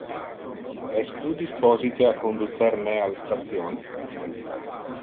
Es tu disposite a conducer me al station?